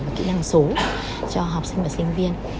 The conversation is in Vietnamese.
và kỹ năng số cho học sinh và sinh viên